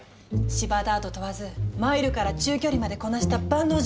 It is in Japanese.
芝ダート問わずマイルから中距離までこなした万能Ｇ１馬。